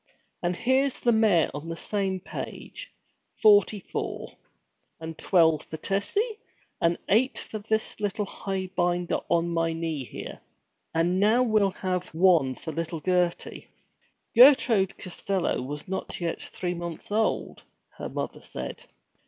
'And here's the mayor on the same page forty four! And twelve for Tessie, and eight for this highbinder on my knee, here! And now we'll have one for little Gertie!' Gertrude Costello was not yet three months old, her mother said.